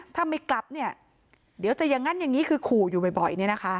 ถ้าไม่กลับเดี๋ยวจะยังงั้นอย่างนี้คือขู่อยู่บ่อย